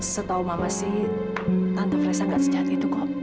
setahu mama sih tante fresno tidak sejati itu kok